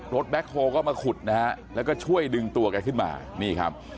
แบ็คโฮก็มาขุดนะฮะแล้วก็ช่วยดึงตัวแกขึ้นมานี่ครับ